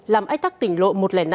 làm ách tắc tỉnh lộ một trăm linh năm